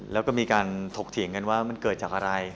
แล้วก็มีการถกเถียงกันว่ามันเกิดจากอะไร